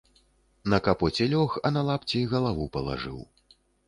На капоце лёг, а на лапці галаву палажыў.